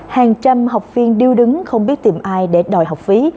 hàng trăm học viên điêu đứng không biết tìm ai để đòi học phí